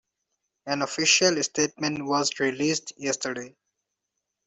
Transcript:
An official statement was released yesterday.